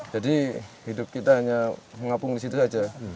jadi hidup kita hanya mengapung di situ saja